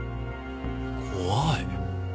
怖い。